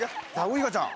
ウイカちゃん。